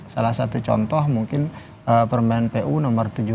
salah satu contoh mungkin permen pu nomor tujuh belas